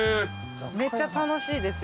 めっちゃ楽しいですよ。